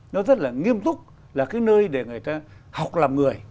nó rất là nghiêm túc là cái nơi để người ta học làm người